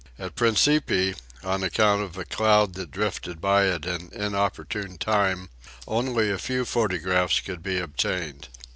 At Principe, on account of a cloud that drifted by at an inopportune time, only a few photo graphs could be obtained.